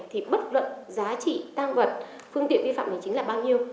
thì bất luận giá trị tăng vật phương tiện vi phạm hành chính là bao nhiêu